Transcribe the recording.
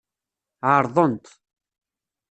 Ɛeṛḍent.